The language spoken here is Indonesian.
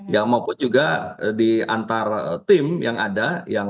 ya maupun juga di antar tim yang ada